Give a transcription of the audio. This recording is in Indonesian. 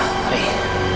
aku mau tanya